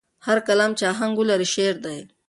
هر کلام چې آهنګ ولري، شعر دی.